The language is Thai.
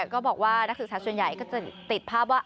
ก็บอกว่านักศึกษาส่วนใหญ่ก็จะติดภาพว่า